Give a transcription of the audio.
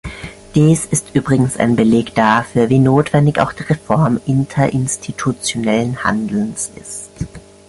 Dies ist übrigens ein Beleg dafür, wie notwendig auch die Reform interinstitutionellen Handelns ist.